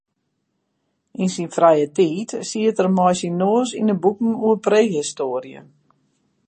Yn syn frije tiid siet er mei syn noas yn de boeken oer prehistoarje.